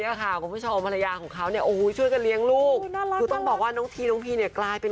ยอลอย่าข้าวทอบภัยาของเขาในโอ้ยช่วยทำเลี้ยงลูกต้องบอกว่านมเพี้ยงพี่เนี่ยกลายเป็น